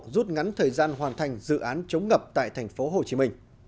rút ngắn thời gian hoàn thành dự án chống ngập tại tp hcm